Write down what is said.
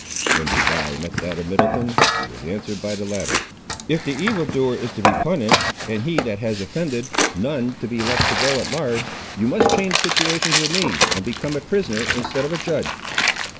When his eye met that of Middleton, he was answered by the latter— "If the evil doer is to be punished, and he that has offended none to be left to go at large, you must change situations with me, and become a prisoner instead of a judge."